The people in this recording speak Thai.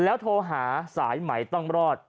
แล้วโทรหาสายใหม่ต้องรอด